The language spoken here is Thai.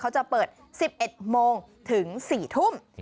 เขาจะเปิด๑๑โมงถึง๔ทุ่ม